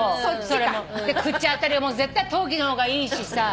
口当たりも絶対陶器の方がいいしさ。